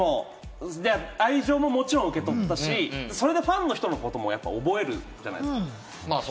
愛情を受け取ったし、それでファンの方のことも覚えるじゃないですか。